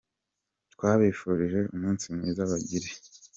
twabifurije umunsi mwiza, bagire.